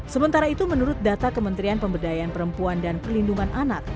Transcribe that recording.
sementara itu menurut data kementerian pemberdayaan perempuan dan perlindungan anak